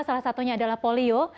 salah satunya adalah polio